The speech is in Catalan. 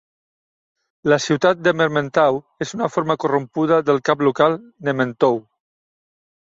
La ciutat de Mermentau és una forma corrompuda del cap local "Nementou".